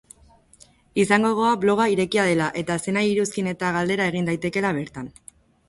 Izan gogoan bloga irekia dela eta zeinahi iruzkin eta galdera egin daitekeela bertan.